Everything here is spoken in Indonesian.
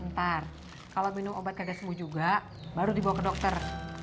ntar kalau minum obat kagak sembuh juga baru dibawa ke dokter